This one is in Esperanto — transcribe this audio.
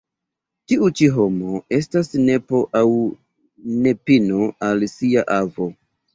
Tiu ĉi homo estas nepo aŭ nepino al sia avo.